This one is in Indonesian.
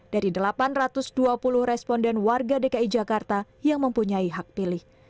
dari delapan ratus dua puluh responden warga dki jakarta yang mempunyai hak pilih